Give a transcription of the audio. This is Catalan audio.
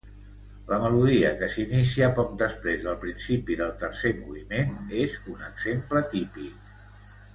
La melodia que s'inicia poc després del principi del tercer moviment és un exemple típic.